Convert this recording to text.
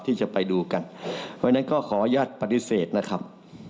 ที่จะไปดูกันเพราะฉะนั้นก็ขออนุญาตปฏิเสธนะครับ